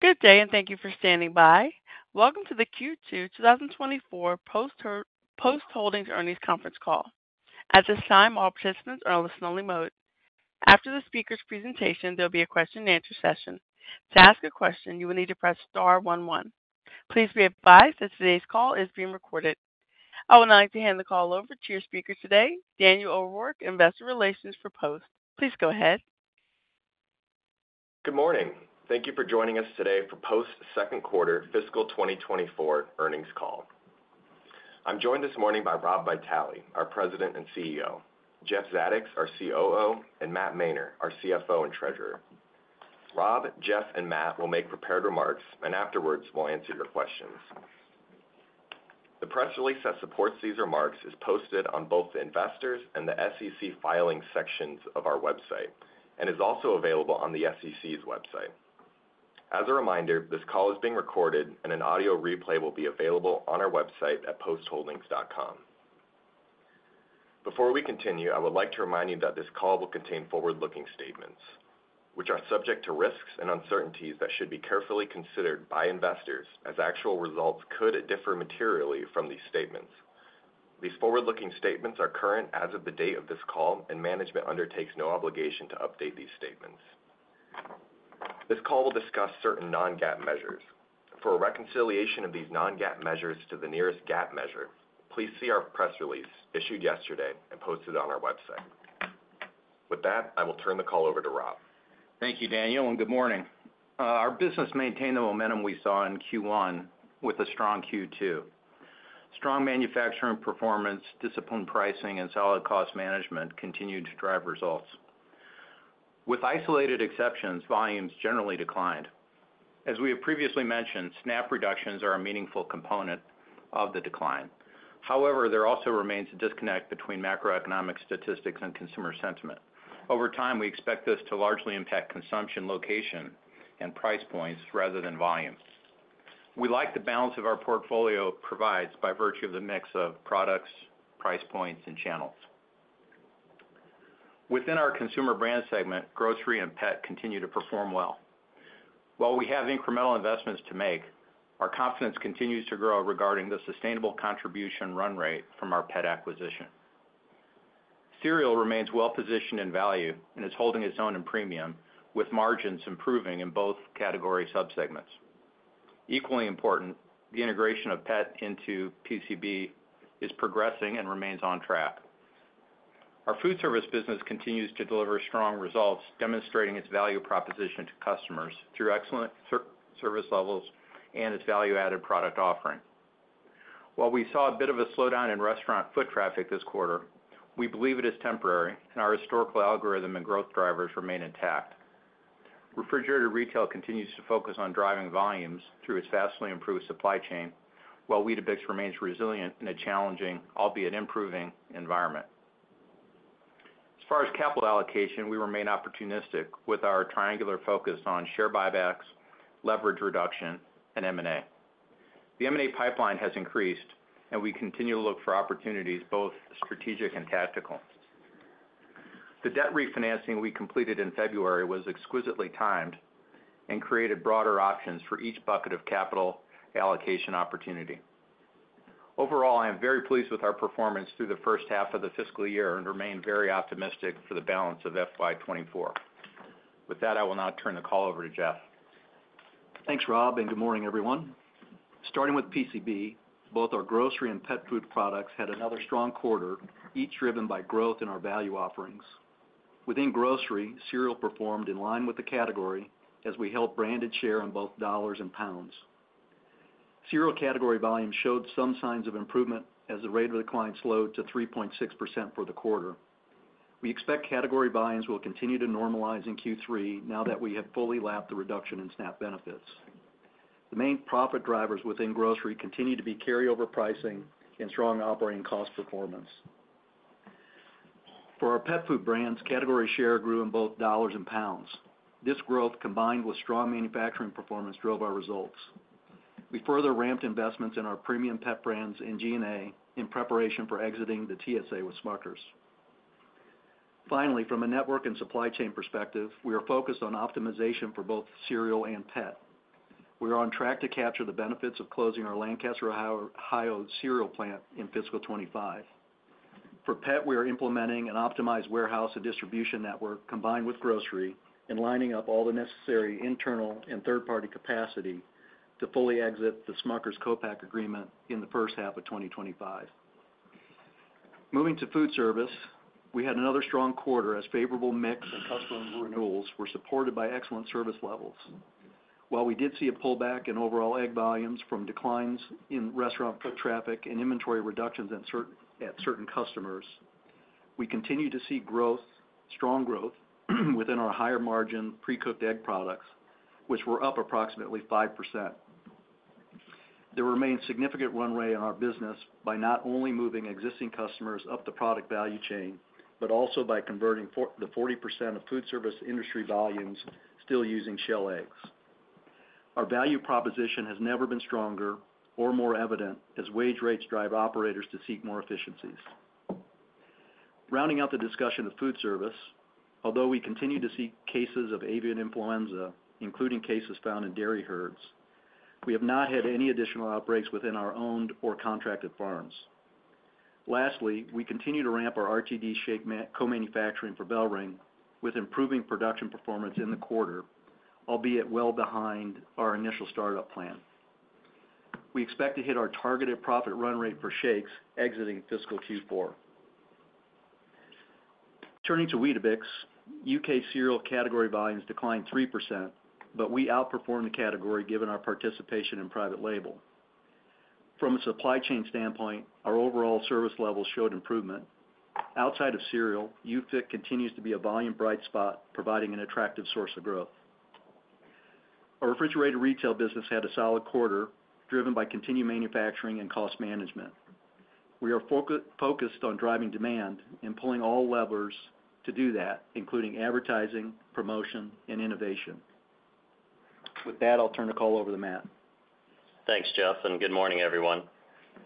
Good day, and thank you for standing by. Welcome to the Q2 2024 Post Holdings Earnings Conference Call. At this time, all participants are in listen-only mode. After the speaker's presentation, there'll be a question-and-answer session. To ask a question, you will need to press star one, one. Please be advised that today's call is being recorded. I would now like to hand the call over to your speaker today, Daniel O'Rourke, Investor Relations for Post. Please go ahead. Good morning. Thank you for joining us today for Post's Second Quarter Fiscal 2024 Earnings Call. I'm joined this morning by Rob Vitale, our President and CEO; Jeff Zadoks, our COO; and Matt Mainer, our CFO and Treasurer. Rob, Jeff, and Matt will make prepared remarks, and afterwards, we'll answer your questions. The press release that supports these remarks is posted on both the Investors and the SEC Filings sections of our website and is also available on the SEC's website. As a reminder, this call is being recorded, and an audio replay will be available on our website at postholdings.com. Before we continue, I would like to remind you that this call will contain forward-looking statements, which are subject to risks and uncertainties that should be carefully considered by investors, as actual results could differ materially from these statements. These forward-looking statements are current as of the date of this call, and management undertakes no obligation to update these statements. This call will discuss certain non-GAAP measures. For a reconciliation of these non-GAAP measures to the nearest GAAP measure, please see our press release issued yesterday and posted on our website. With that, I will turn the call over to Rob. Thank you, Daniel, and good morning. Our business maintained the momentum we saw in Q1 with a strong Q2. Strong manufacturing performance, disciplined pricing, and solid cost management continued to drive results. With isolated exceptions, volumes generally declined. As we have previously mentioned, SNAP reductions are a meaningful component of the decline. However, there also remains a disconnect between macroeconomic statistics and consumer sentiment. Over time, we expect this to largely impact consumption, location, and price points rather than volumes. We like the balance of our portfolio provides by virtue of the mix of products, price points, and channels. Within our consumer brand segment, grocery and pet continue to perform well. While we have incremental investments to make, our confidence continues to grow regarding the sustainable contribution run rate from our pet acquisition. Cereal remains well-positioned in value and is holding its own in premium, with margins improving in both category subsegments. Equally important, the integration of pet into PCB is progressing and remains on track. Our food service business continues to deliver strong results, demonstrating its value proposition to customers through excellent service levels and its value-added product offering. While we saw a bit of a slowdown in restaurant foot traffic this quarter, we believe it is temporary, and our historical algorithm and growth drivers remain intact. Refrigerated retail continues to focus on driving volumes through its vastly improved supply chain, while Weetabix remains resilient in a challenging, albeit improving, environment. As far as capital allocation, we remain opportunistic with our triangular focus on share buybacks, leverage reduction, and M&A. The M&A pipeline has increased, and we continue to look for opportunities, both strategic and tactical. The debt refinancing we completed in February was exquisitely timed and created broader options for each bucket of capital allocation opportunity. Overall, I am very pleased with our performance through the first half of the fiscal year and remain very optimistic for the balance of FY 2024. With that, I will now turn the call over to Jeff. Thanks, Rob, and good morning, everyone. Starting with PCB, both our grocery and pet food products had another strong quarter, each driven by growth in our value offerings. Within grocery, cereal performed in line with the category as we held branded share in both dollars and pounds. Cereal category volumes showed some signs of improvement as the rate of decline slowed to 3.6% for the quarter. We expect category volumes will continue to normalize in Q3 now that we have fully lapped the reduction in SNAP benefits. The main profit drivers within grocery continue to be carryover pricing and strong operating cost performance. For our pet food brands, category share grew in both dollars and pounds. This growth, combined with strong manufacturing performance, drove our results. We further ramped investments in our premium pet brands in G&A in preparation for exiting the TSA with Smucker's. Finally, from a network and supply chain perspective, we are focused on optimization for both cereal and pet. We are on track to capture the benefits of closing our Lancaster, Ohio, cereal plant in fiscal 2025. For pet, we are implementing an optimized warehouse and distribution network, combined with grocery, and lining up all the necessary internal and third-party capacity to fully exit the Smucker's co-pack agreement in the first half of 2025. Moving to foodservice, we had another strong quarter as favorable mix and customer renewals were supported by excellent service levels. While we did see a pullback in overall egg volumes from declines in restaurant foot traffic and inventory reductions at certain customers, we continue to see growth, strong growth, within our higher-margin precooked egg products, which were up approximately 5%. There remains significant runway in our business by not only moving existing customers up the product value chain, but also by converting the 40% of foodservice industry volumes still using shell eggs. Our value proposition has never been stronger or more evident as wage rates drive operators to seek more efficiencies. Rounding out the discussion of foodservice, although we continue to see cases of avian influenza, including cases found in dairy herds, we have not had any additional outbreaks within our owned or contracted farms. Lastly, we continue to ramp our RTD shake co-manufacturing for BellRing with improving production performance in the quarter, albeit well behind our initial startup plan. We expect to hit our targeted profit run rate for shakes exiting fiscal Q4. Turning to Weetabix, U.K. cereal category volumes declined 3%, but we outperformed the category given our participation in private label. From a supply chain standpoint, our overall service levels showed improvement. Outside of cereal, UFIT continues to be a volume bright spot, providing an attractive source of growth. Our refrigerated retail business had a solid quarter, driven by continued manufacturing and cost management. We are focused on driving demand and pulling all levers to do that, including advertising, promotion, and innovation. With that, I'll turn the call over to Matt. Thanks, Jeff, and good morning, everyone.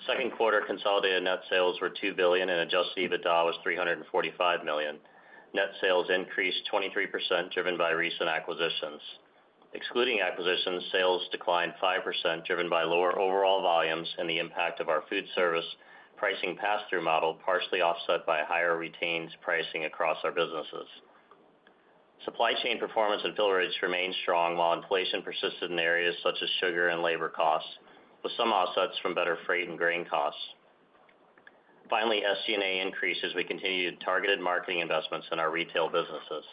Second quarter consolidated net sales were $2 billion, and adjusted EBITDA was $345 million. Net sales increased 23%, driven by recent acquisitions. Excluding acquisitions, sales declined 5%, driven by lower overall volumes and the impact of our foodservice pricing pass-through model, partially offset by higher retail pricing across our businesses. Supply chain performance and fill rates remained strong, while inflation persisted in areas such as sugar and labor costs, with some offsets from better freight and grain costs. Finally, SG&A increases. We continued targeted marketing investments in our retail businesses.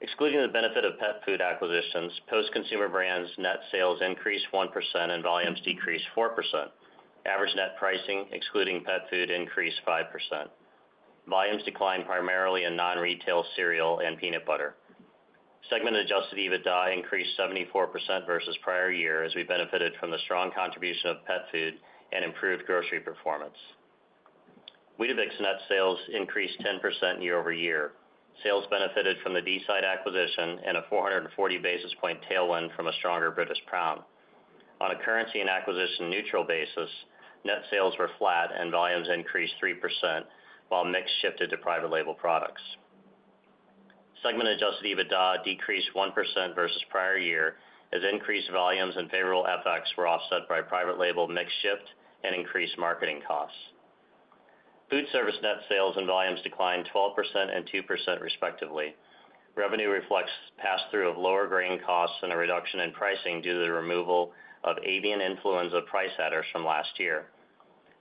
Excluding the benefit of pet food acquisitions, Post Consumer Brands net sales increased 1% and volumes decreased 4%. Average net pricing, excluding pet food, increased 5%. Volumes declined primarily in non-retail cereal and peanut butter. Segment adjusted EBITDA increased 74% versus prior year, as we benefited from the strong contribution of pet food and improved grocery performance. Weetabix net sales increased 10% year-over-year. Sales benefited from the Deeside acquisition and a 440 basis point tailwind from a stronger British pound. On a currency and acquisition neutral basis, net sales were flat and volumes increased 3%, while mix shifted to private label products. Segment adjusted EBITDA decreased 1% versus prior year, as increased volumes and favorable FX were offset by private label mix shift and increased marketing costs. Foodservice net sales and volumes declined 12% and 2%, respectively. Revenue reflects pass-through of lower grain costs and a reduction in pricing due to the removal of avian influenza price adders from last year.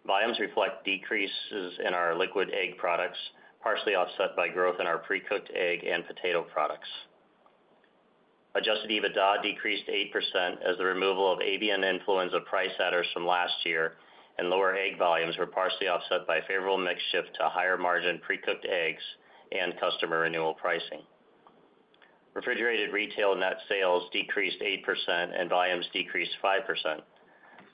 Volumes reflect decreases in our liquid egg products, partially offset by growth in our pre-cooked egg and potato products. Adjusted EBITDA decreased 8% as the removal of avian influenza price adders from last year and lower egg volumes were partially offset by favorable mix shift to higher margin pre-cooked eggs and customer renewal pricing. Refrigerated retail net sales decreased 8% and volumes decreased 5%.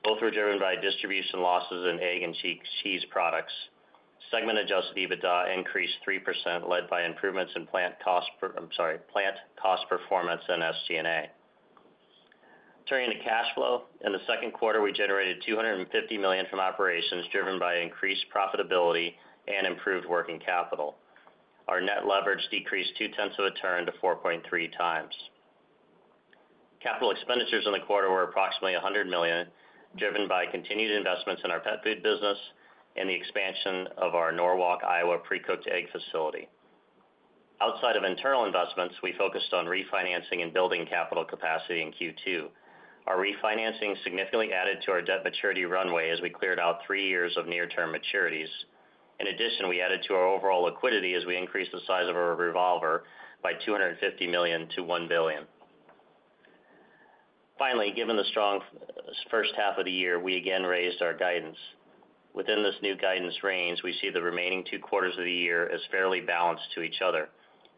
Both were driven by distribution losses in egg and cheese products. Segment adjusted EBITDA increased 3%, led by improvements in plant cost, performance and SG&A. Turning to cash flow, in the second quarter, we generated $250 million from operations, driven by increased profitability and improved working capital. Our net leverage decreased 2/10 of a turn to 4.3x. Capital expenditures in the quarter were approximately $100 million, driven by continued investments in our pet food business and the expansion of our Norwalk, Iowa, pre-cooked egg facility. Outside of internal investments, we focused on refinancing and building capital capacity in Q2. Our refinancing significantly added to our debt maturity runway as we cleared out 3 years of near-term maturities. In addition, we added to our overall liquidity as we increased the size of our revolver by $250 million to $1 billion. Finally, given the strong first half of the year, we again raised our guidance. Within this new guidance range, we see the remaining two quarters of the year as fairly balanced to each other.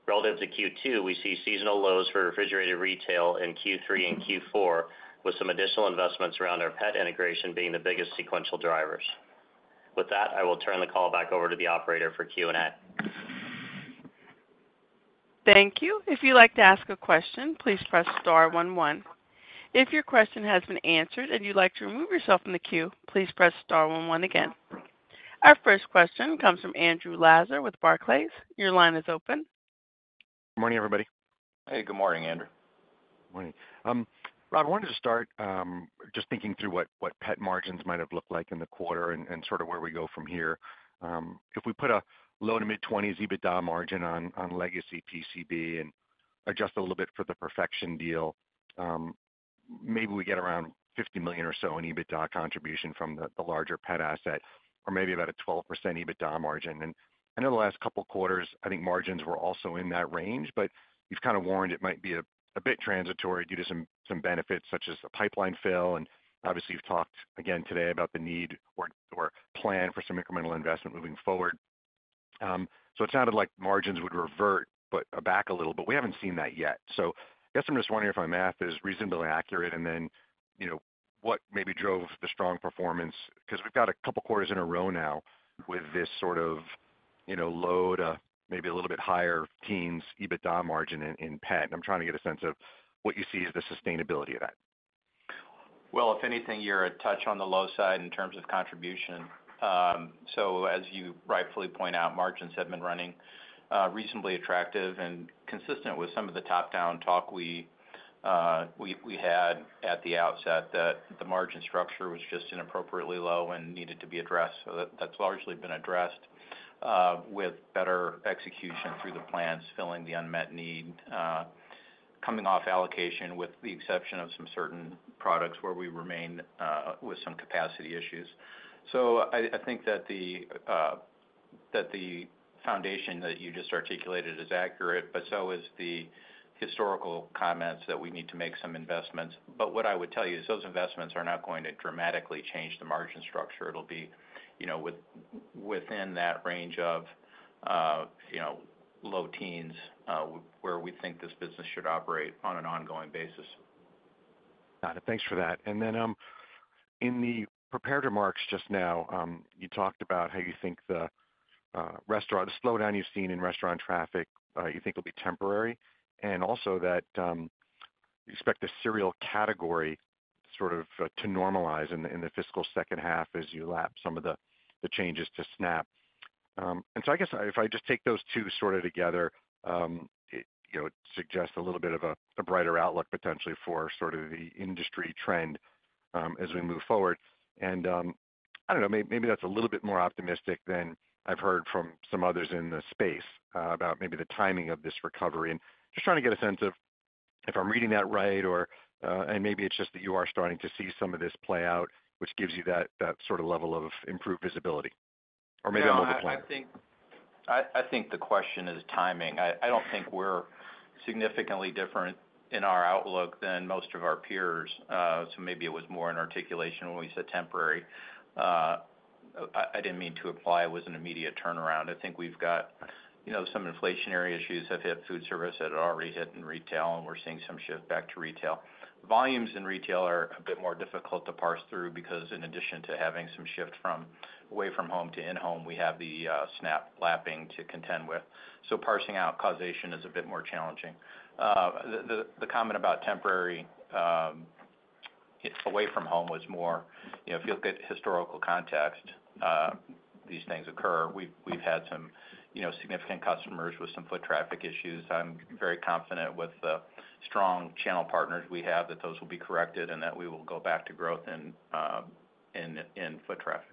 Relative to Q2, we see seasonal lows for refrigerated retail in Q3 and Q4, with some additional investments around our pet integration being the biggest sequential drivers. With that, I will turn the call back over to the operator for Q&A. Thank you. If you'd like to ask a question, please press star one one. If your question has been answered and you'd like to remove yourself from the queue, please press star one one again. Our first question comes from Andrew Lazar with Barclays. Your line is open. Good morning, everybody. Hey, good morning, Andrew. Morning. Rob, I wanted to start, just thinking through what pet margins might have looked like in the quarter and sort of where we go from here. If we put a low- to mid-20s EBITDA margin on legacy PCB and adjust a little bit for the Perfection deal, maybe we get around $50 million or so in EBITDA contribution from the larger pet asset or maybe about a 12% EBITDA margin. And I know the last couple of quarters, I think margins were also in that range, but you've kind of warned it might be a bit transitory due to some benefits, such as a pipeline fill. And obviously, you've talked again today about the need or plan for some incremental investment moving forward. So it sounded like margins would revert but, back a little, but we haven't seen that yet. So I guess I'm just wondering if my math is reasonably accurate, and then, you know, what maybe drove the strong performance? Because we've got a couple of quarters in a row now with this sort of, you know, low to maybe a little bit higher teens EBITDA margin in, in pet, and I'm trying to get a sense of what you see as the sustainability of that. Well, if anything, you're a touch on the low side in terms of contribution. So as you rightfully point out, margins have been running reasonably attractive and consistent with some of the top-down talk we had at the outset, that the margin structure was just inappropriately low and needed to be addressed. So that's largely been addressed with better execution through the plans, filling the unmet need, coming off allocation, with the exception of some certain products where we remain with some capacity issues. So I think that the foundation that you just articulated is accurate, but so is the historical comments that we need to make some investments. But what I would tell you is those investments are not going to dramatically change the margin structure. It'll be, you know, within that range of, you know, low teens, where we think this business should operate on an ongoing basis. Got it. Thanks for that. And then, in the prepared remarks just now, you talked about how you think the restaurant—the slowdown you've seen in restaurant traffic, you think will be temporary, and also that, you expect the cereal category sort of to normalize in the, in the fiscal second half as you lap some of the, the changes to SNAP. And so I guess if I just take those two sort of together, it, you know, it suggests a little bit of a, a brighter outlook, potentially for sort of the industry trend, as we move forward. And, I don't know, maybe that's a little bit more optimistic than I've heard from some others in the space, about maybe the timing of this recovery. And just trying to get a sense of if I'm reading that right, or, and maybe it's just that you are starting to see some of this play out, which gives you that, that sort of level of improved visibility, or maybe I'm overplaying it. Yeah, I think the question is timing. I don't think we're significantly different in our outlook than most of our peers. So maybe it was more an articulation when we said temporary. I didn't mean to imply it was an immediate turnaround. I think we've got, you know, some inflationary issues that hit food service, that had already hit in retail, and we're seeing some shift back to retail. Volumes in retail are a bit more difficult to parse through because in addition to having some shift from away from home to in-home, we have the SNAP lapping to contend with. So parsing out causation is a bit more challenging. The comment about temporary away from home was more, you know, if you look at historical context, these things occur. We've had some, you know, significant customers with some foot traffic issues. I'm very confident with the strong channel partners we have that those will be corrected and that we will go back to growth in foot traffic.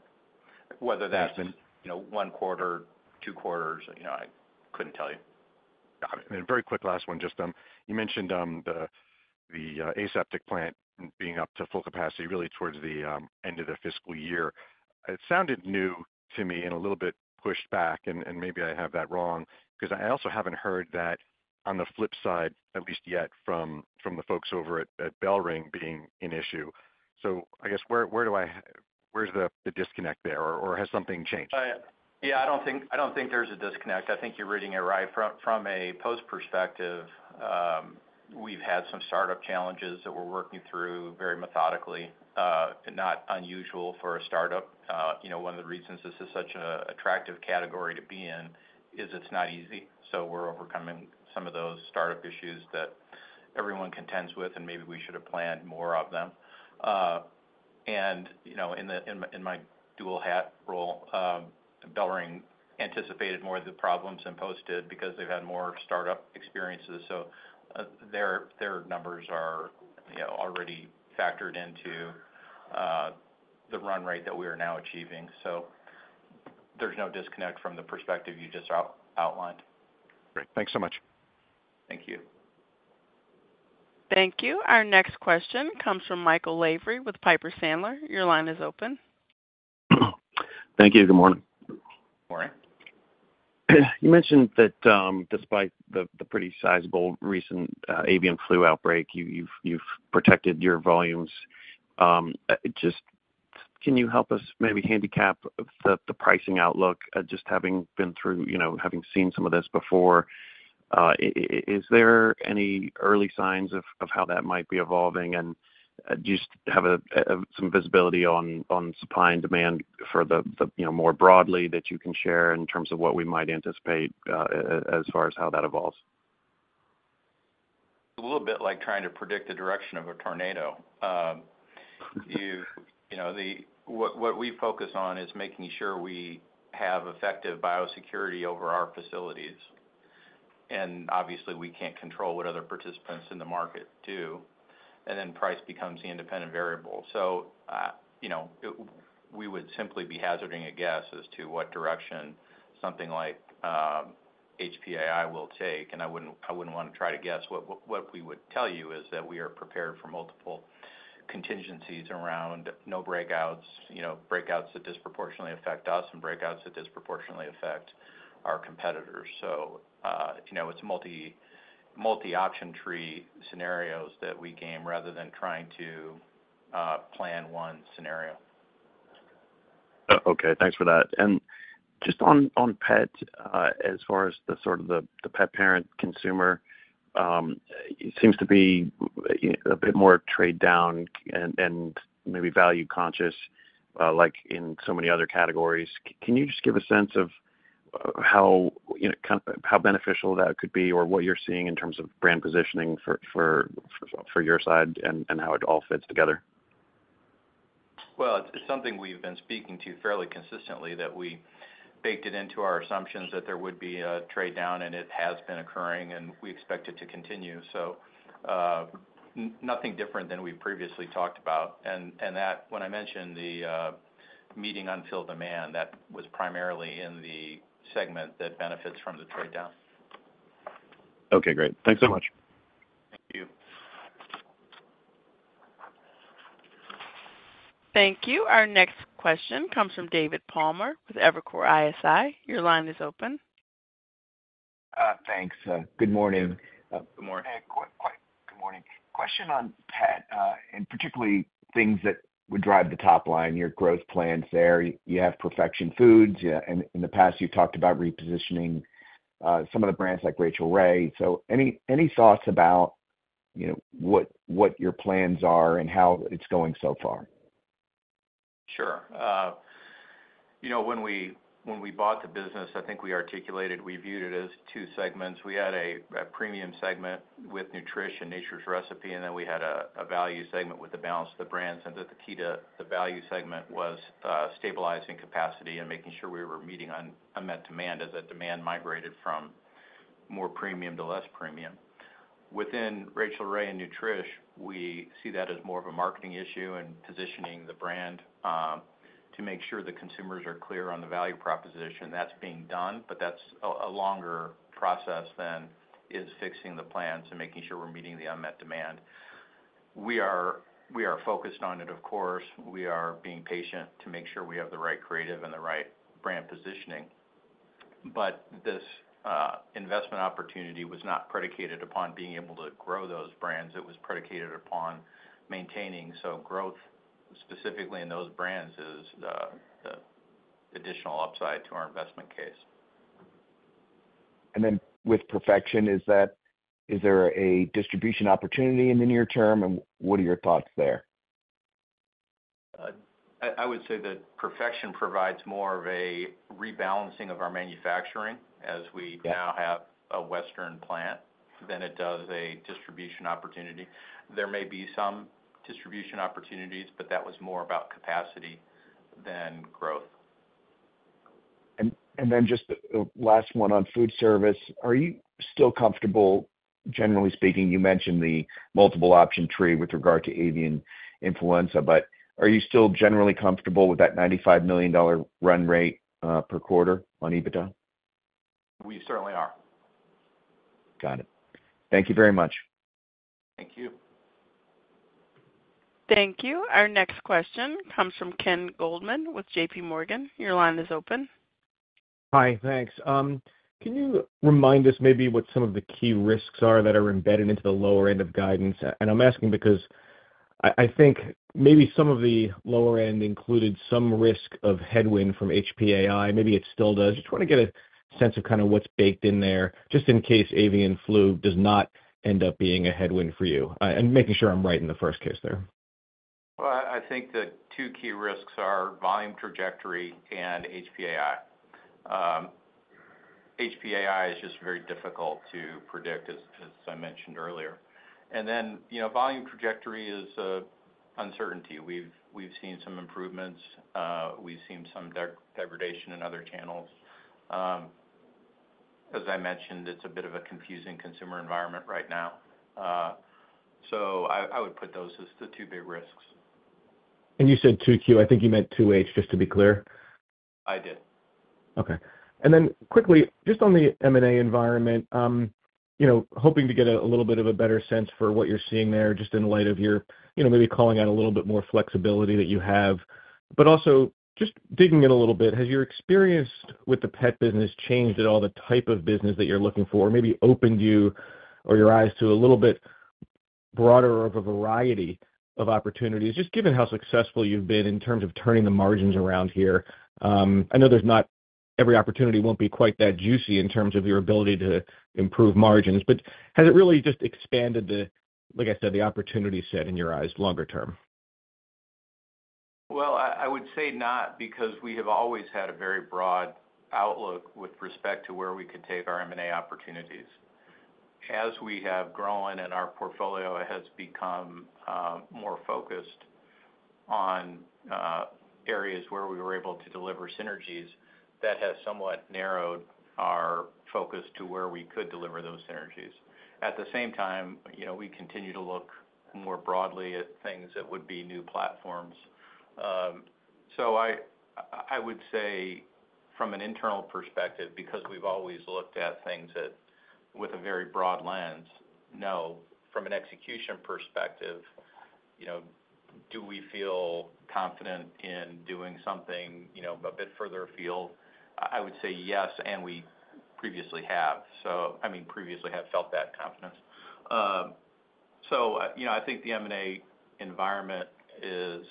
Whether that's, you know, one quarter, two quarters, you know, I couldn't tell you. Got it. And very quick, last one. Just, you mentioned the aseptic plant being up to full capacity, really towards the end of the fiscal year. It sounded new to me and a little bit pushed back, and maybe I have that wrong because I also haven't heard that on the flip side, at least yet, from the folks over at BellRing being an issue. So I guess, where do I--where's the disconnect there, or has something changed? Yeah, I don't think there's a disconnect. I think you're reading it right. From a Post perspective, we've had some startup challenges that we're working through very methodically, not unusual for a startup. You know, one of the reasons this is such an attractive category to be in is it's not easy, so we're overcoming some of those startup issues that everyone contends with, and maybe we should have planned more of them. You know, in my dual hat role, BellRing anticipated more of the problems than Post did because they've had more startup experiences, so their numbers are, you know, already factored into the run rate that we are now achieving. So there's no disconnect from the perspective you just outlined. Great. Thanks so much. Thank you. Thank you. Our next question comes from Michael Lavery with Piper Sandler. Your line is open. Thank you. Good morning. Morning. You mentioned that, despite the pretty sizable recent avian flu outbreak, you've protected your volumes. Just, can you help us maybe handicap the pricing outlook, just having been through, you know, having seen some of this before? Is there any early signs of how that might be evolving? And do you just have some visibility on supply and demand for the, you know, more broadly, that you can share in terms of what we might anticipate, as far as how that evolves? A little bit like trying to predict the direction of a tornado. You know what we focus on is making sure we have effective biosecurity over our facilities, and obviously, we can't control what other participants in the market do, and then price becomes the independent variable. So, you know, we would simply be hazarding a guess as to what direction something like HPAI will take, and I wouldn't want to try to guess. What we would tell you is that we are prepared for multiple contingencies around no breakouts, you know, breakouts that disproportionately affect us, and breakouts that disproportionately affect our competitors. So, you know, it's multi-option tree scenarios that we game rather than trying to plan one scenario. Okay. Thanks for that. And just on pet, as far as the sort of pet parent consumer, seems to be a bit more trade down and maybe value conscious, like in so many other categories. Can you just give a sense of how, you know, kind of, how beneficial that could be or what you're seeing in terms of brand positioning for your side and how it all fits together? Well, it's something we've been speaking to fairly consistently, that we baked it into our assumptions that there would be a trade-down, and it has been occurring, and we expect it to continue. So, nothing different than we've previously talked about. And that when I mentioned the meeting unfilled demand, that was primarily in the segment that benefits from the trade-down. Okay, great. Thanks so much. Thank you. Thank you. Our next question comes from David Palmer with Evercore ISI. Your line is open. Thanks. Good morning. Good morning. Good morning. Question on pet, and particularly things that would drive the top line, your growth plans there. You have Perfection Foods. And in the past, you've talked about repositioning some of the brands like Rachael Ray. So any thoughts about, you know, what your plans are and how it's going so far? Sure. You know, when we bought the business, I think we articulated we viewed it as two segments. We had a premium segment with Nutrish and Nature's Recipe, and then we had a value segment with the balance of the brands. And that the key to the value segment was stabilizing capacity and making sure we were meeting on unmet demand as that demand migrated from more premium to less premium. Within Rachael Ray and Nutrish, we see that as more of a marketing issue and positioning the brand to make sure the consumers are clear on the value proposition. That's being done, but that's a longer process than is fixing the plans and making sure we're meeting the unmet demand. We are focused on it, of course. We are being patient to make sure we have the right creative and the right brand positioning. But this investment opportunity was not predicated upon being able to grow those brands. It was predicated upon maintaining. So growth, specifically in those brands, is the additional upside to our investment case. And then with Perfection, is that, is there a distribution opportunity in the near term, and what are your thoughts there? I would say that Perfection provides more of a rebalancing of our manufacturing as we- Yeah ...now have a Western plant than it does a distribution opportunity. There may be some distribution opportunities, but that was more about capacity than growth. And then just the last one on food service, are you still comfortable, generally speaking, you mentioned the multiple option tree with regard to avian influenza, but are you still generally comfortable with that $95 million run rate per quarter on EBITDA? We certainly are. Got it. Thank you very much. Thank you. Thank you. Our next question comes from Ken Goldman with JPMorgan. Your line is open. Hi, thanks. Can you remind us maybe what some of the key risks are that are embedded into the lower end of guidance? And I'm asking because I think maybe some of the lower end included some risk of headwind from HPAI, maybe it still does. Just want to get a sense of kind of what's baked in there, just in case avian flu does not end up being a headwind for you, and making sure I'm right in the first case there. Well, I think the two key risks are volume trajectory and HPAI. HPAI is just very difficult to predict, as I mentioned earlier. And then, you know, volume trajectory is uncertainty. We've seen some improvements, we've seen some degradation in other channels. As I mentioned, it's a bit of a confusing consumer environment right now. So I would put those as the two big risks. You said 2Q, I think you meant 2H, just to be clear? I did. Okay. Then quickly, just on the M&A environment, you know, hoping to get a little bit of a better sense for what you're seeing there, just in light of your, you know, maybe calling out a little bit more flexibility that you have. But also just digging in a little bit, has your experience with the pet business changed at all the type of business that you're looking for? Or maybe opened you or your eyes to a little bit broader of a variety of opportunities, just given how successful you've been in terms of turning the margins around here. I know there's not, every opportunity won't be quite that juicy in terms of your ability to improve margins, but has it really just expanded the, like I said, the opportunity set in your eyes longer term? Well, I would say not, because we have always had a very broad outlook with respect to where we could take our M&A opportunities. As we have grown and our portfolio has become more focused on areas where we were able to deliver synergies, that has somewhat narrowed our focus to where we could deliver those synergies. At the same time, you know, we continue to look more broadly at things that would be new platforms. So I would say from an internal perspective, because we've always looked at things with a very broad lens, no. From an execution perspective, you know, do we feel confident in doing something, you know, a bit further afield? I would say yes, and we previously have, so I mean, previously have felt that confidence. So, you know, I think the M&A environment is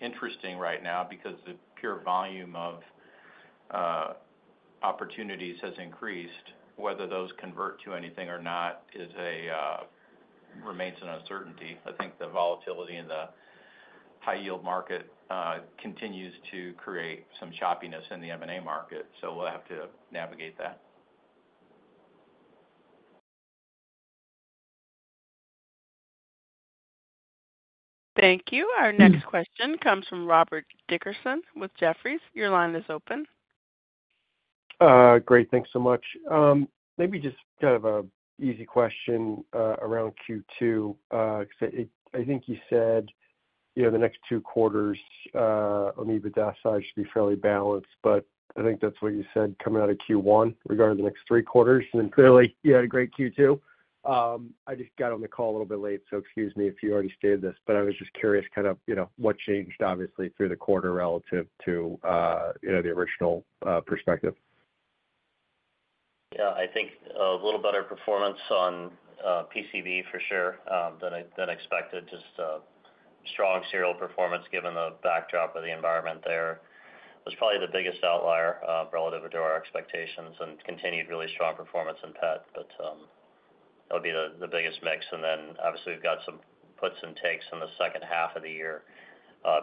interesting right now because the pure volume of opportunities has increased. Whether those convert to anything or not remains an uncertainty. I think the volatility in the high yield market continues to create some choppiness in the M&A market, so we'll have to navigate that. Thank you. Our next question comes from Robert Dickerson with Jefferies. Your line is open. Great, thanks so much. Maybe just kind of an easy question, around Q2. So it—I think you said, you know, the next two quarters, on the EBITDA side should be fairly balanced, but I think that's what you said coming out of Q1, regarding the next three quarters, and then clearly you had a great Q2. I just got on the call a little bit late, so excuse me if you already stated this, but I was just curious, kind of, you know, what changed, obviously, through the quarter relative to, you know, the original perspective? Yeah, I think a little better performance on PCB, for sure, than expected. Just strong cereal performance given the backdrop of the environment there. That was probably the biggest outlier relative to our expectations and continued really strong performance in pet, but that'll be the biggest mix. And then, obviously, we've got some puts and takes in the second half of the year.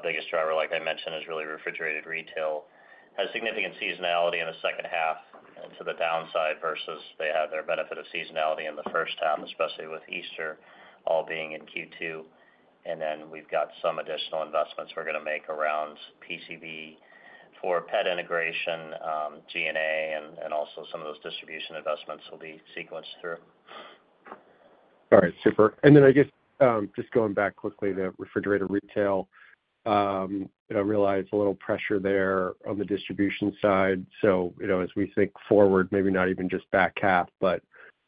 Biggest driver, like I mentioned, is really refrigerated retail. It has significant seasonality in the second half and to the downside versus they had their benefit of seasonality in the first half, especially with Easter all being in Q2. And then we've got some additional investments we're gonna make around PCB for pet integration, G&A, and also some of those distribution investments will be sequenced through. All right, super. And then I guess, just going back quickly to refrigerated retail, you know, I realize a little pressure there on the distribution side. So, you know, as we think forward, maybe not even just back half, but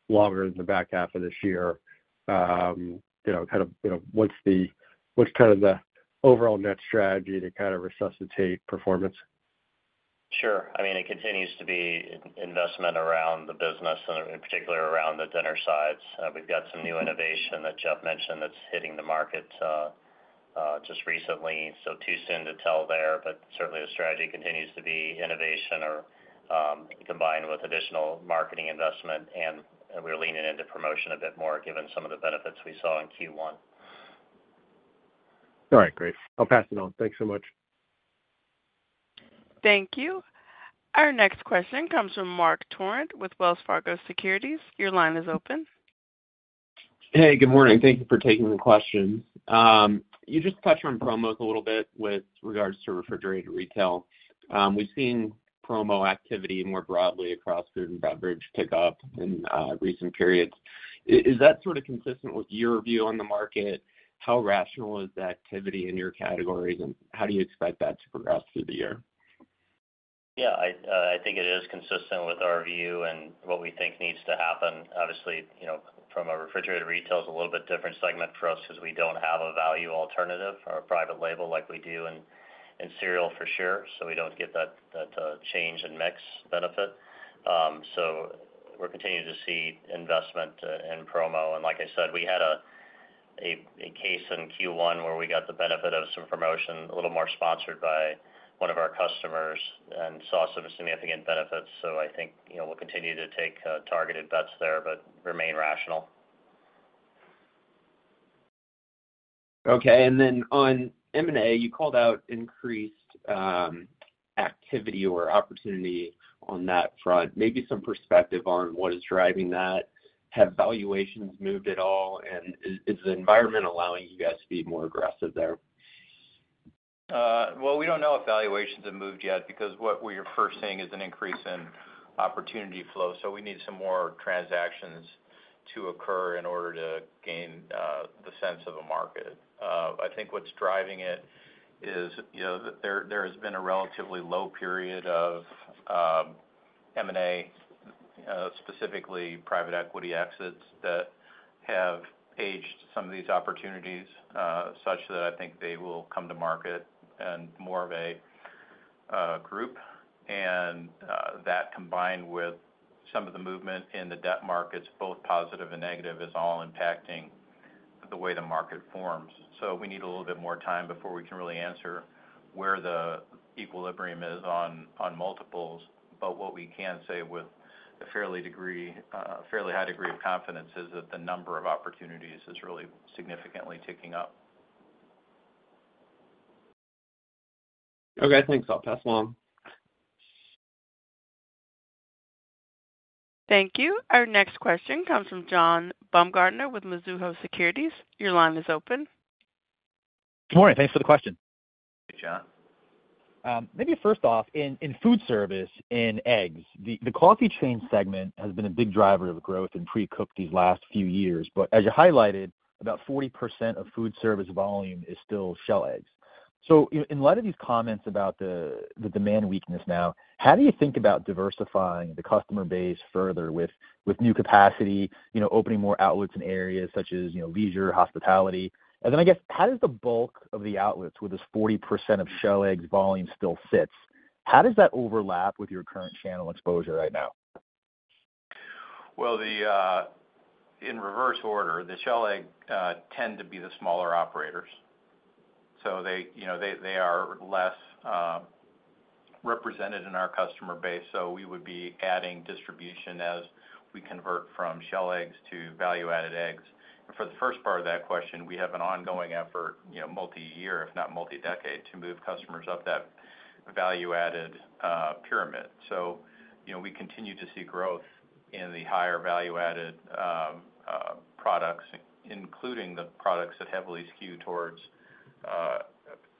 longer than the back half of this year, you know, kind of, you know, what's kind of the overall net strategy to kind of resuscitate performance? Sure. I mean, it continues to be investment around the business and in particular, around the dinner sides. We've got some new innovation that Jeff mentioned that's hitting the market just recently, so too soon to tell there. But certainly the strategy continues to be innovation or combined with additional marketing investment, and we're leaning into promotion a bit more given some of the benefits we saw in Q1. All right, great. I'll pass it on. Thanks so much. Thank you. Our next question comes from Marc Torrente with Wells Fargo Securities. Your line is open. Hey, good morning. Thank you for taking the questions. You just touched on promos a little bit with regards to refrigerated retail. We've seen promo activity more broadly across food and beverage pick up in recent periods. Is that sort of consistent with your view on the market? How rational is the activity in your categories, and how do you expect that to progress through the year? Yeah, I think it is consistent with our view and what we think needs to happen. Obviously, you know, from a refrigerated retail is a little bit different segment for us because we don't have a value alternative or a private label like we do in cereal, for sure. So we don't get that change in mix benefit. So we're continuing to see investment in promo. And like I said, we had a case in Q1 where we got the benefit of some promotion, a little more sponsored by one of our customers and saw some significant benefits. So I think, you know, we'll continue to take targeted bets there, but remain rational. Okay. And then on M&A, you called out increased activity or opportunity on that front. Maybe some perspective on what is driving that. Have valuations moved at all, and is the environment allowing you guys to be more aggressive there? Well, we don't know if valuations have moved yet because what we are first seeing is an increase in opportunity flow, so we need some more transactions to occur in order to gain the sense of a market. I think what's driving it is, you know, there has been a relatively low period of M&A, specifically private equity exits that have aged some of these opportunities, such that I think they will come to market in more of a group. And that combined with some of the movement in the debt markets, both positive and negative, is all impacting the way the market forms. So we need a little bit more time before we can really answer where the equilibrium is on multiples. What we can say with a fairly high degree of confidence is that the number of opportunities is really significantly ticking up. Okay, thanks. I'll pass along. Thank you. Our next question comes from John Baumgartner with Mizuho Securities. Your line is open. Good morning. Thanks for the question. Hey, John. Maybe first off, in foodservice, in eggs, the coffee chain segment has been a big driver of growth in precooked these last few years. But as you highlighted, about 40% of foodservice volume is still shell eggs. In light of these comments about the demand weakness now, how do you think about diversifying the customer base further with new capacity, you know, opening more outlets in areas such as, you know, leisure, hospitality? And then, I guess, how does the bulk of the outlets, where this 40% of shell eggs volume still sits, how does that overlap with your current channel exposure right now? Well, the, in reverse order, the shell egg tend to be the smaller operators, so they, you know, they, they are less represented in our customer base, so we would be adding distribution as we convert from shell eggs to value-added eggs. For the first part of that question, we have an ongoing effort, you know, multi-year, if not multi-decade, to move customers up that value-added pyramid. So, you know, we continue to see growth in the higher value-added products, including the products that heavily skew towards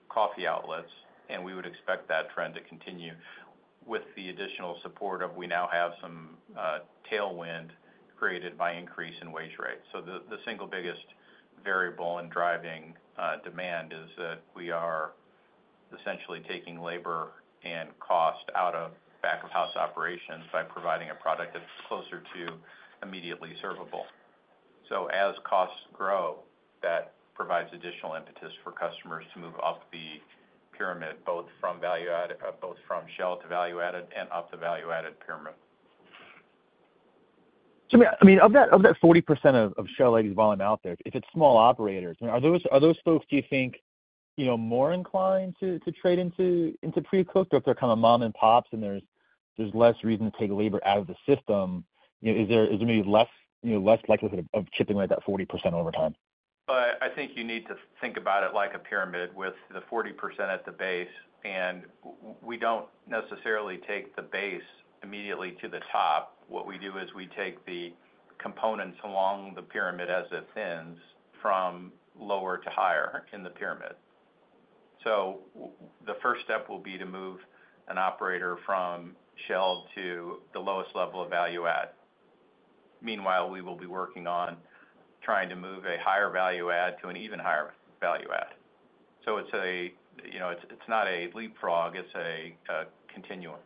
coffee outlets, and we would expect that trend to continue. With the additional support of we now have some tailwind created by increase in wage rates. So the single biggest variable in driving demand is that we are essentially taking labor and cost out of back-of-house operations by providing a product that's closer to immediately servable. So as costs grow, that provides additional impetus for customers to move up the pyramid, both from value-added, both from shell to value-added and up the value-added pyramid. So, I mean, of that 40% of shell eggs volume out there, if it's small operators, are those folks, do you think, you know, more inclined to trade into pre-cooked? Or if they're kind of mom and pops, and there's less reason to take labor out of the system, you know, is there maybe less, you know, less likelihood of chipping away that 40% over time? But I think you need to think about it like a pyramid with the 40% at the base, and we don't necessarily take the base immediately to the top. What we do is we take the components along the pyramid as it thins from lower to higher in the pyramid. So the first step will be to move an operator from shell to the lowest level of value add. Meanwhile, we will be working on trying to move a higher value add to an even higher value add. So it's a, you know, it's not a leapfrog, it's a continuum.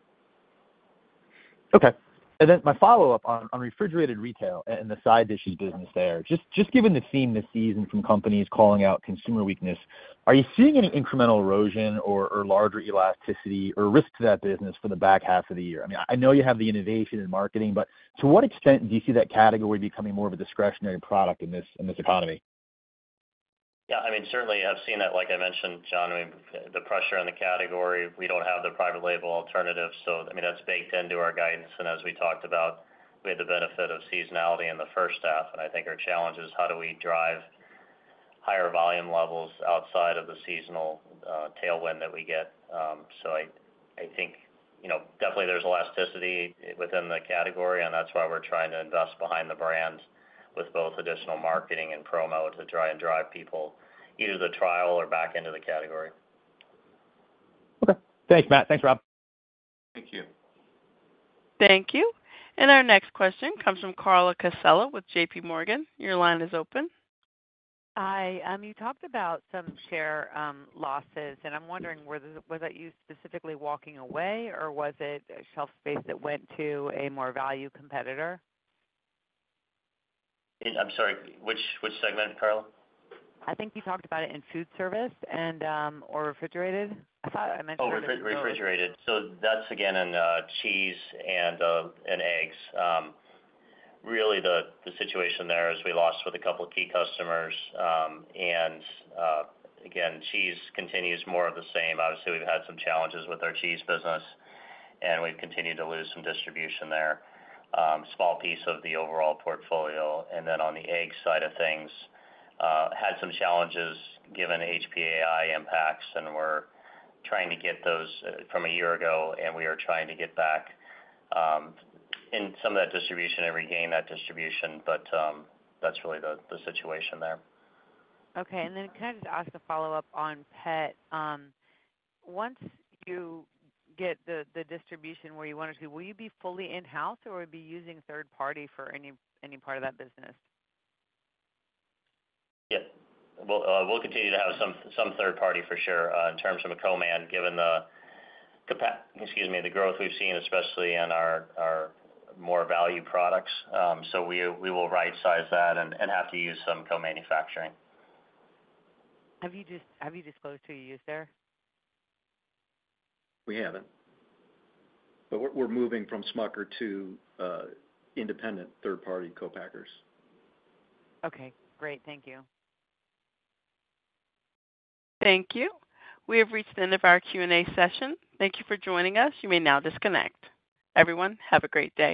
Okay. And then my follow-up on refrigerated retail and the side dishes business there. Just given the theme this season from companies calling out consumer weakness, are you seeing any incremental erosion or larger elasticity or risk to that business for the back half of the year? I mean, I know you have the innovation in marketing, but to what extent do you see that category becoming more of a discretionary product in this economy? Yeah, I mean, certainly I've seen that, like I mentioned, John, I mean, the pressure on the category, we don't have the private label alternative, so, I mean, that's baked into our guidance. As we talked about, we had the benefit of seasonality in the first half, and I think our challenge is how do we drive higher volume levels outside of the seasonal tailwind that we get? So I think, you know, definitely there's elasticity within the category, and that's why we're trying to invest behind the brands with both additional marketing and promo to try and drive people either the trial or back into the category. Okay. Thanks, Matt. Thanks, Rob. Thank you. Thank you. And our next question comes from Carla Casella with JPMorgan. Your line is open. Hi. You talked about some share losses, and I'm wondering, was that you specifically walking away, or was it a shelf space that went to a more value competitor? I'm sorry, which, which segment, Carla? I think you talked about it in foodservice and or refrigerated. I thought I mentioned it- Oh, refrigerated. So that's again in cheese and eggs. Really, the situation there is we lost with a couple of key customers. And again, cheese continues more of the same. Obviously, we've had some challenges with our cheese business, and we've continued to lose some distribution there. Small piece of the overall portfolio, and then on the egg side of things, had some challenges given HPAI impacts, and we're trying to get those from a year ago, and we are trying to get back in some of that distribution and regain that distribution. But that's really the situation there. Okay, and then can I just ask a follow-up on pet? Once you get the distribution where you want it to, will you be fully in-house, or will you be using third party for any part of that business? Yeah. We'll continue to have some third party for sure in terms of co-man, given the growth we've seen, especially in our more value products. So we will rightsize that and have to use some co-manufacturing. Have you disclosed who you use there? We haven't. But we're moving from Smucker's to independent third-party co-packers. Okay, great. Thank you. Thank you. We have reached the end of our Q&A session. Thank you for joining us. You may now disconnect. Everyone, have a great day.